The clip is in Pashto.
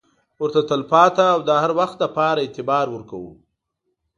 ورته تل پاتې او د هروخت لپاره اعتبار ورکوو.